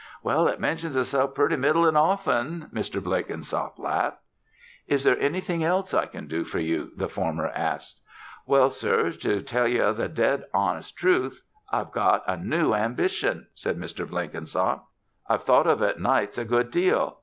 "Well, it mentions itself purty middlin' often," Mr. Blenkinsop laughed. "Is there anything else I can do for you?" the former asked. "Well, sir, to tell ye the dead hones' truth, I've got a new ambition," said Mr. Blenkinsop. "I've thought of it nights a good deal.